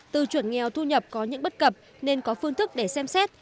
từ chuẩn nghèo thu nhập có những bất cập nên có phương thức để xem xét